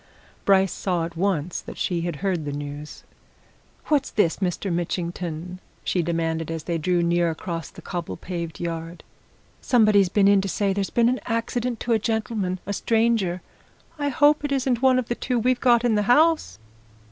Bryce saw at once that she had heard the news. "What's this, Mr. Mitchington?" she demanded as they drew near across the cobble paved yard. "Somebody's been in to say there's been an accident to a gentleman, a stranger I hope it isn't one of the two we've got in the house?"